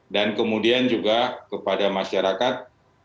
dan kemudian juga kepada masyarakat